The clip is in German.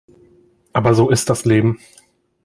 Aber so ist das Leben.